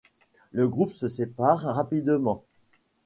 Le groupe se sépare rapidement.